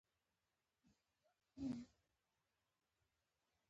په هغه ټولنه کښي، چي بېوزله ژوند کوي، ښتمن ئې مجرمان يي.